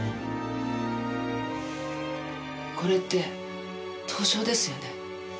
これって凍傷ですよね？